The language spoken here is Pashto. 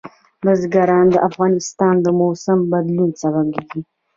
بزګان د افغانستان د موسم د بدلون سبب کېږي.